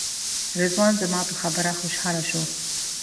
رضوان زما په خبره خوشاله شو.